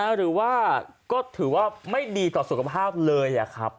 หรือว่าก็ถือว่าไม่ดีต่อสุขภาพเลยครับ